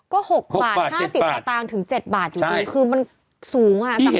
ก็๖บาท๕๐บาทถึง๗บาทอยู่ดีคือมันสูงอะจากเมื่อก่อนอะ